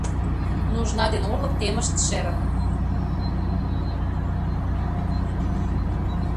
Нужна ден орлык темышт шерым